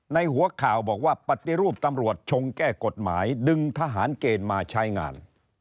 หัวข่าวบอกว่าปฏิรูปตำรวจชงแก้กฎหมายดึงทหารเกณฑ์มาใช้งาน